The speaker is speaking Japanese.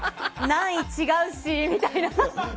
何位、違うしみたいな。